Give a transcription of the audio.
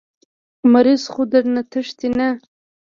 مريض خو درنه تښتي نه.